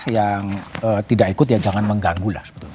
yang tidak ikut ya jangan mengganggu lah